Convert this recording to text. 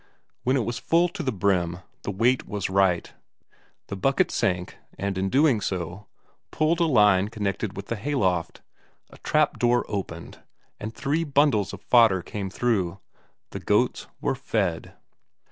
When it was full to the brim, the weight was right; the bucket sank, and in doing so, pulled a line connected with the hayloft; a trap door opened, and three bundles of fodder came through the goats were fed.